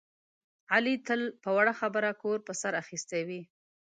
علي تل په وړه خبره کور په سر اخیستی وي.